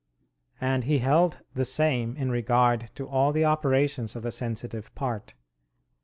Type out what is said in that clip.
And he held the same in regard to all the operations of the sensitive part.